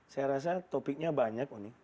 saya rasa topiknya banyak